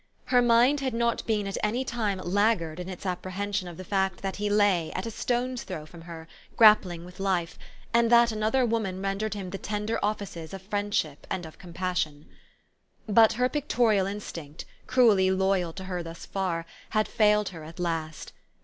Her mind had not been at any time laggard in its apprehension of the fact that he lay, at a stone's throw from her, grappling with life, and that another woman rendered him the tender offices of friendship and of compassion. But her pictorial instinct, cruelly loyal to her thus far, had failed her at last.